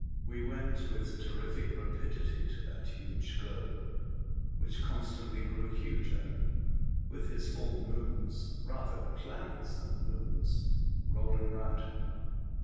WE went witli terrific rapidity to tbat huge globe, whicli constantly grew linger, with his four moons — rather planets than moons — rolling round him.